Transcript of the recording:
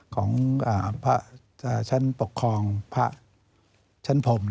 ของพระชั้นปกครองพระชั้นพรม